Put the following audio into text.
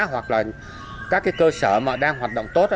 hoặc là các cơ sở đang hoạt động tốt